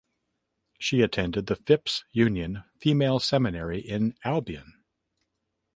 She attended the Phipps Union Female Seminary in Albion.